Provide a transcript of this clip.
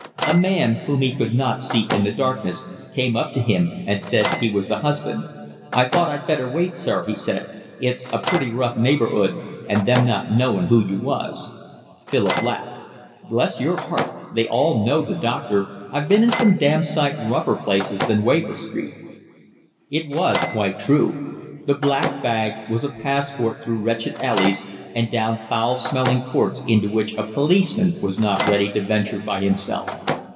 A man, whom he could not see in the darkness, came up to him, and said he was the husband. "I thought I'd better wait, sir," he said. "It's a pretty rough neighbour'ood, and them not knowing who you was." Philip laughed. "Bless your heart, they all know the doctor, I've been in some damned sight rougher places than Waver Street." It was quite true. The black bag was a passport through wretched alleys and down foul smelling courts into which a policeman was not ready to venture by himself.